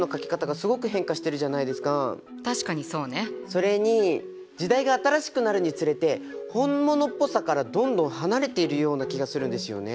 それに時代が新しくなるにつれて本物っぽさからどんどん離れているような気がするんですよね。